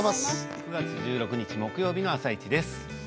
９月１６日木曜日の「あさイチ」です。